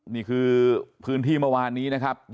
นี่คือพื้นที่เมื่อวานนี้นะครับ